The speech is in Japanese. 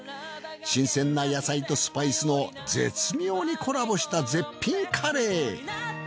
新鮮な野菜とスパイスの絶妙にコラボした絶品カレー。